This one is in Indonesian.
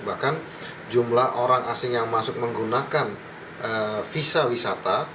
bahkan jumlah orang asing yang masuk menggunakan visa wisata